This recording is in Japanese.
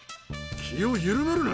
気を緩めるな。